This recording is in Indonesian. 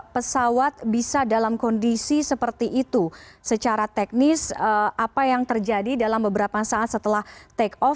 pesawat bisa dalam kondisi seperti itu secara teknis apa yang terjadi dalam beberapa saat setelah take off